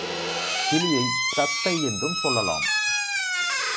கிளியைத் தத்தை என்றும் சொல்லலாம்.